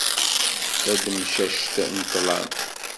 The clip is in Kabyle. Tademcact n ṭlam.